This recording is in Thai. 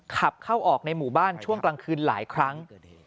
ขับเข้าออกในหมู่บ้านช่วงกลางคืนหลายครั้ง